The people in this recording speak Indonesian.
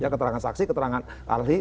keterangan saksi keterangan alhi